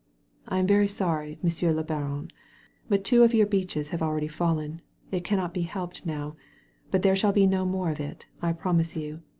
"I am very sorry. Monsieur le Baroriy but two of your beeches have akeady fallen. It cannot be helped now. But there shall be no more of it, I promise you.